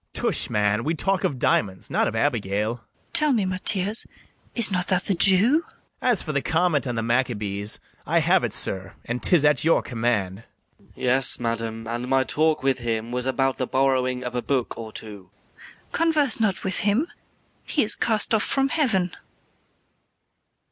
BARABAS. Tush, man! we talk'd of diamonds, not of Abigail. KATHARINE. Tell me, Mathias, is not that the Jew? BARABAS. As for the comment on the Maccabees, I have it, sir, and 'tis at your command. MATHIAS. Yes, madam, and my talk with him was About the borrowing of a book or two. KATHARINE. Converse not with him; he is cast off from heaven.